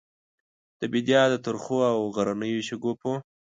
د بیدیا د ترخو او غرنیو شګوفو،